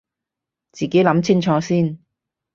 自己諗清楚先